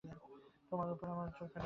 তোমার উপর আমার জোর খাটে না।